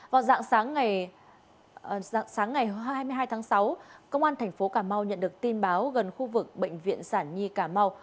vào dạng sáng ngày hai mươi hai tháng sáu công an thành phố cà mau nhận được tin báo gần khu vực bệnh viện sản nhi cà mau